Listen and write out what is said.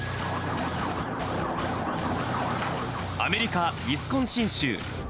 アメリカ・ウィスコンシン州。